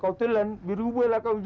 ketika bertemu dengan pasukan